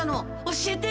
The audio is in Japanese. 教えて！